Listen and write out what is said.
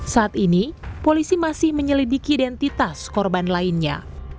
saat ini polisi masih menyelidiki identitas korban lainnya